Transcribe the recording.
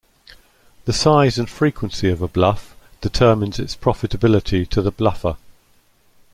The size and frequency of a bluff determines its profitability to the "bluffer".